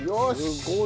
すごい。